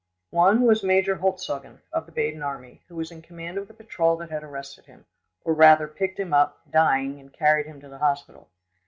One was Major Holzungen, of the Baden army, who was in command of the patrol that had arrested him, or rather picked him up, dying, and carried him to the hospital.